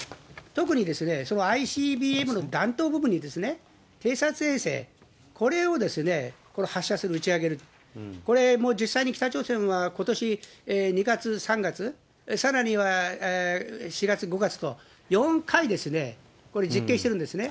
特にそのＩＣＢＭの弾道部分に偵察衛星、これを発射する、打ち上げる、これも実際に北朝鮮はことし２月、３月、さらには４月、５月と、４回実験してるんですね。